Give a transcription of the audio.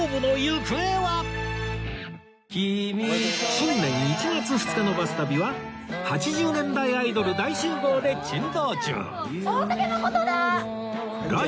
新年１月２日の『バス旅』は８０年代アイドル大集合で珍道中